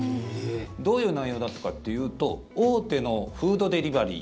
どういう内容だったかっていうと大手のフードデリバリー